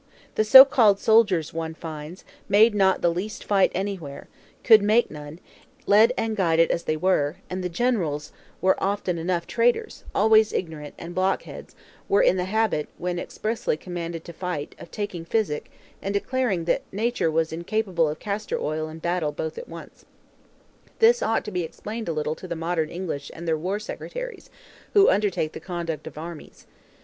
The so called soldiers, one finds, made not the least fight anywhere; could make none, led and guided as they were, and the "Generals" often enough traitors, always ignorant, and blockheads, were in the habit, when expressly commanded to fight, of taking physic, and declaring that nature was incapable of castor oil and battle both at once. This ought to be explained a little to the modern English and their War Secretaries, who undertake the conduct of armies.